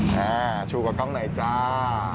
แม่ชูกับกล้องหน่อยจ้า